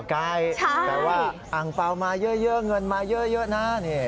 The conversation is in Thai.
แต่ว่าอังเปล่ามาเยอะเงินมาเยอะนะ